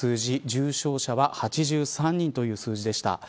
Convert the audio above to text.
重症者は８３人という数字でした。